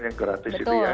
yang gratis ini ya